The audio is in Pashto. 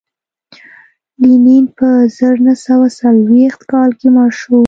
لینین په زر نه سوه څلرویشت کال کې مړ شو